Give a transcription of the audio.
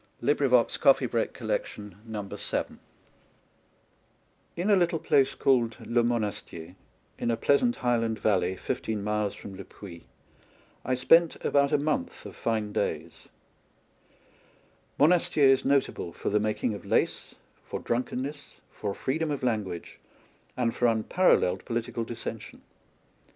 THE DONKEY, THE PACK, AND THE PACK SADDLE In a little place called Le Monastier, in a pleasant highland valley fifteen miles from Le Puy, I spent about a month of fine days. Monastier is notable for the making of lace, for drunkenness, for freedom of language, and for unparalleled political dissension.